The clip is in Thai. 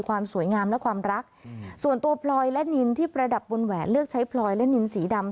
ความสวยงามและความรักส่วนตัวพลอยและนินที่ประดับบนแหวนเลือกใช้พลอยและนินสีดำ